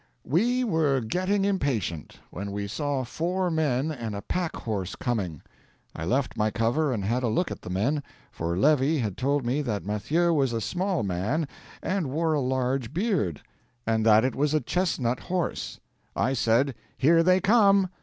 "We were getting impatient, when we saw four men and a pack horse coming. I left my cover and had a look at the men, for Levy had told me that Mathieu was a small man and wore a large beard, and that it was a chestnut horse. I said, 'Here they come.'